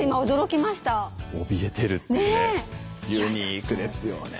「怯えてる」ってねユニークですよね。